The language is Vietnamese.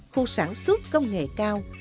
khu sản xuất công nghệ cao